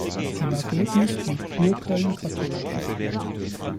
Im Ergebnis blieb Kurköln katholisch.